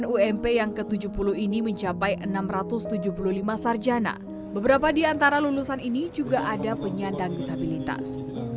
ump yang ke tujuh puluh ini mencapai enam ratus tujuh puluh lima sarjana beberapa di antara lulusan ini juga ada penyandang disabilitas